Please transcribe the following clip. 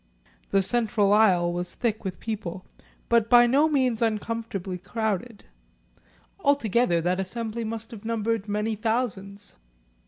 The central aisle was thick with people, but by no means uncomfortably crowded; altogether that assembly must have numbered many thousands.